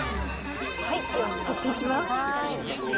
では作っていきます。